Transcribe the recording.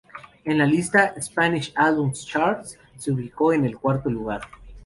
En la lista "Spanish Albums Chart" se ubicó en el cuarto lugar.